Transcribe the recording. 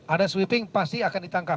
ada sweeping pasti akan ditangkap